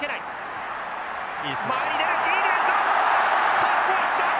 さあここはいくか？